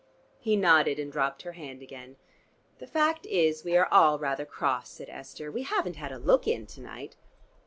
He nodded, and dropped her hand again. "The fact is we are all rather cross," said Esther. "We haven't had a look in to night."